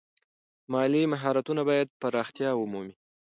مالي مهارتونه باید پراختیا ومومي.